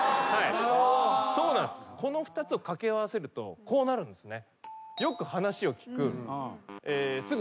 この２つを掛け合わせるとこうなるんですね。